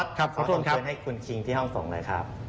ขอส่งคืนให้คุณคิงที่ห้องส่งเลยครับ